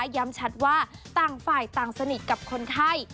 ย้ำชัดว่าต่างฝ่ายต่างสนิทกับคนไข้